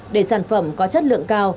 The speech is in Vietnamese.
để sản phẩm có chất lượng cao